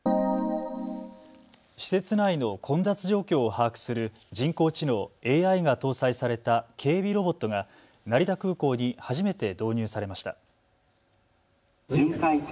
施設内の混雑状況を把握する人工知能・ＡＩが搭載された警備ロボットが成田空港に初めて導入されました。